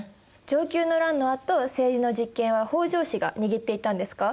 承久の乱のあと政治の実権は北条氏が握っていったんですか？